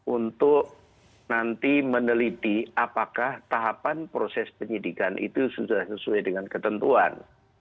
untuk nanti meneliti apakah tahapan proses penyidikan itu sudah sesuai dengan ketentuan